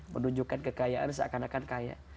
menunjukkan kekayaan seakan akan kaya